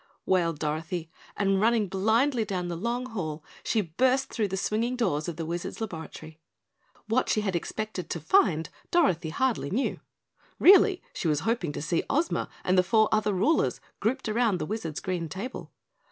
wailed Dorothy, and running blindly down the long hall she burst through the swinging doors of the Wizard's laboratory. What she had expected to find Dorothy hardly knew. Really, she was hoping to see Ozma and the four other rulers grouped around the Wizard's green table.